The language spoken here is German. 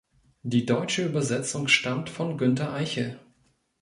Die deutsche Übersetzung stammt von Günter Eichel.